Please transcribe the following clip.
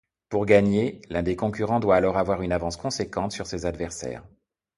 Pour gagner, l'un des concurrents doit alors avoir une avance conséquente sur ses adversaires.